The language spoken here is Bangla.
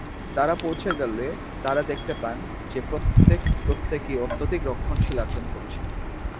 তারা পৌঁছে গেলে তারা দেখতে পান যে প্রত্যেকে প্রত্যেকেই অত্যধিক রক্ষণশীল আচরণ করছে।